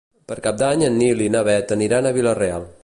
Per Cap d'Any en Nil i na Bet aniran a Vila-real.